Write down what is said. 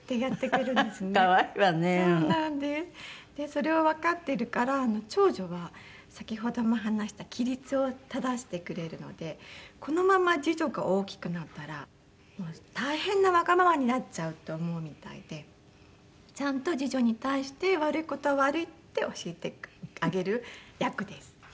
それをわかってるからもう長女は先ほども話した規律を正してくれるのでこのまま次女が大きくなったら大変なわがままになっちゃうと思うみたいでちゃんと次女に対して悪い事は悪いって教えてあげる役です。